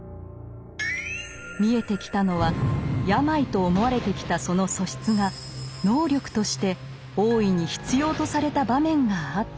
見えてきたのは病と思われてきたその素質が能力として大いに必要とされた場面があったこと。